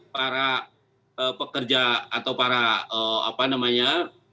para pekerja atau para apa namanya